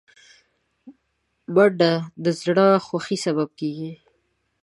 منډه د زړه خوښۍ سبب کېږي